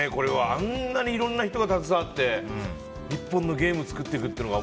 あんなにいろんな人が携わって１本のゲームを作っていくっていうのが。